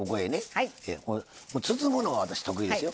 包むのは私得意ですよ。